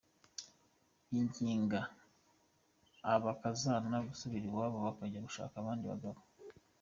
Yinginga abakazana gusubira iwabo bakajya gushaka abandi bagabo.